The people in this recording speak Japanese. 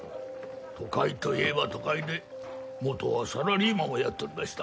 都会といえば都会で元はサラリーマンをやっとりました。